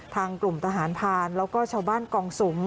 ทางกลุ่มทหารพานแล้วก็ชาวบ้านกองสุม